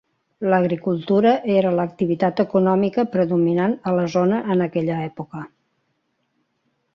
L'agricultura era l'activitat econòmica predominant a la zona en aquella època.